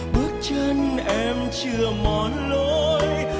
bước chân em chưa mòn lối